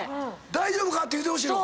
「大丈夫か？」って言うてほしいの？